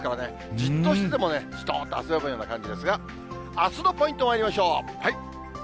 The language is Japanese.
じっとしててもじとっと汗ばむような感じですが、あすのポイントまいりましょう。